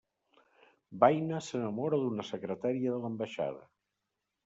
Baines s'enamora d'una secretària de l'ambaixada.